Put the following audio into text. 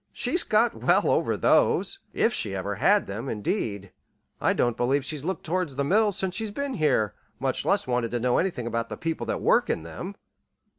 "She's got well over those if she ever had them, indeed. I don't believe she's looked toward the mills since she's been here much less wanted to know anything about the people that work in them!"